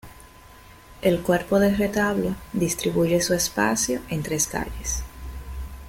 El cuerpo del retablo distribuye su espacio en tres calles.